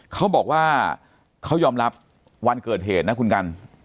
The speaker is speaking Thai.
เขาบอกว่าเขายอมรับวันเกิดเหตุนะคุณกัน